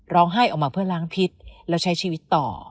ร้องไห้ออกมาเพื่อล้างพิษแล้วใช้ชีวิตต่อ